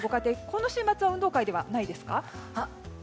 この週末は運動会ではないですか？